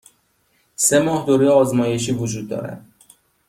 سه ماه دوره آزمایشی وجود دارد.